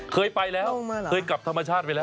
เคยไปแล้วเคยกลับธรรมชาติไปแล้ว